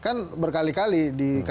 kan berkali kali dikatakan